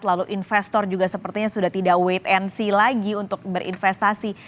lalu investor juga sepertinya sudah tidak wait and see lagi untuk berinvestasi